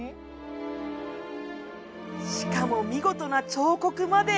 しかも見事な彫刻まで。